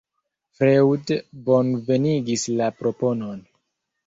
Freud bonvenigis la proponon.